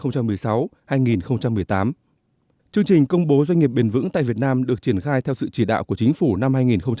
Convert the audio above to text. chương trình công bố doanh nghiệp bền vững tại việt nam được triển khai theo sự chỉ đạo của chính phủ năm hai nghìn một mươi chín